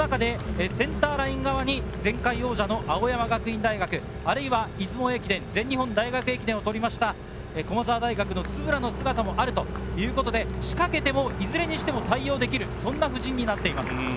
その中でセンターライン側に前回王者の青山学院大学、あるいは出雲駅伝、全日本大学駅伝を取りました駒澤大学の円の姿もあるということで、仕掛けても、いずれも対応できる、そんな布陣になっています。